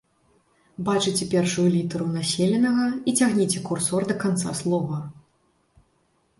Бачыце першую літару населенага і цягніце курсор да канца слова.